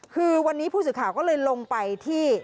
คือวันนี้ผู้สื่อข่าวก็เลยลงไปที่